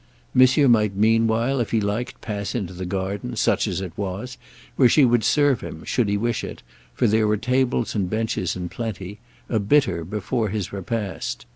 Monsieur might meanwhile, if he liked, pass into the garden, such as it was, where she would serve him, should he wish it—for there were tables and benches in plenty—a "bitter" before his repast.